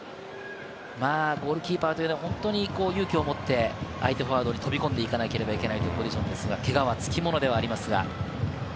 ゴールキーパーというのは非常に勇気を持って相手フォワードに飛び込んでいかなければならないというポジションですが、けがはつきものではありますが。